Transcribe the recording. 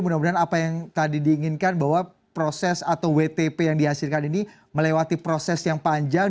mudah mudahan apa yang tadi diinginkan bahwa proses atau wtp yang dihasilkan ini melewati proses yang panjang